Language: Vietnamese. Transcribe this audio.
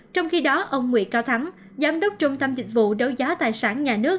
trong khi đó ông nguyễn cao thắng giám đốc trung tâm dịch vụ đấu giá tài sản nhà nước